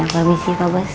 permisi pak bos